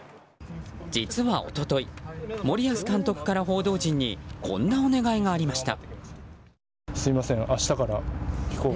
実は一昨日、森保監督から報道陣にこんなお願いがありました。